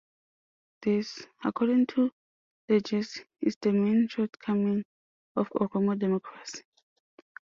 This, according to Legesse, is the main shortcoming of Oromo Democracy.